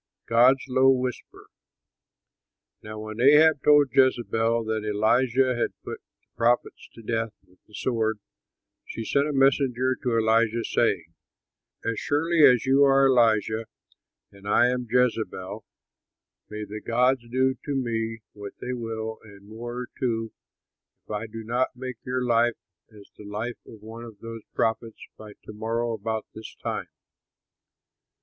GOD'S LOW WHISPER Now when Ahab told Jezebel that Elijah had put the prophets to death with the sword, she sent a messenger to Elijah, saying, "As surely as you are Elijah and I am Jezebel, may the gods do to me what they will and more too, if I do not make your life as the life of one of those prophets by to morrow about this time."